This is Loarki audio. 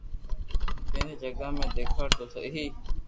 ڪئي جگہ ھي ديکاڙ تو سھي